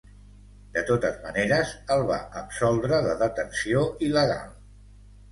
De totes maneres, el va absoldre de detenció il·legal.